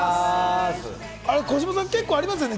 児嶋さん、結構ありますよね？